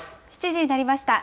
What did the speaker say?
７時になりました。